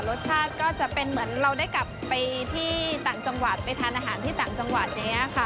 รสชาติก็จะเป็นเหมือนเราได้กลับไปที่ต่างจังหวัดไปทานอาหารที่ต่างจังหวัดอย่างนี้ค่ะ